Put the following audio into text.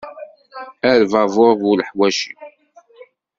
A lbabur bu leḥwaci!